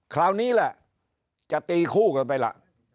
คราวนี้แหละจะตีคู่กันไปล่ะ